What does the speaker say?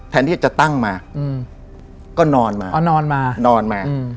แทนที่จะตั้งมาก็นอนมา